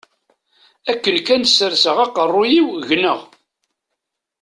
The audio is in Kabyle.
Akken kan serseɣ aqerruy-iw gneɣ.